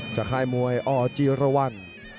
ค่ายมวยอจีรวรรณ